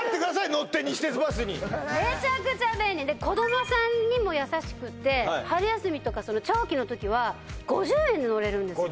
乗って西鉄バスにめちゃくちゃ便利で子どもさんにも優しくて春休みとか長期の時は５０円で乗れるんですよ